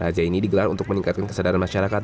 razia ini digelar untuk meningkatkan kesadaran masyarakat